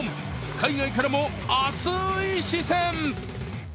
海外からも熱い視線。